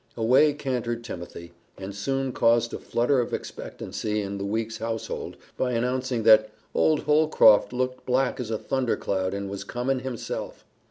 Away cantered Timothy, and soon caused a flutter of expectancy in the Weeks household, by announcing that "Old Holcroft looked black as a thundercloud and was comin' himself."